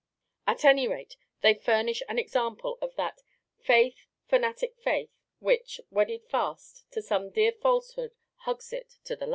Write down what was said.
At any rate, they furnish an example of that "Faith, fanatic faith, which, wedded fast To some dear falsehood, hugs it to the last."